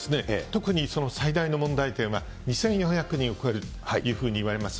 特にその最大の問題点は、２５００人を超えるというふうにいわれます